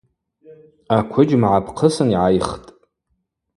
Аквыджьма гӏапхъысын йгӏайхтӏ.